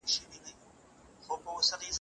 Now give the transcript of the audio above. نجونې په علمي مرکزونو کې په تحقیق بوختې دي.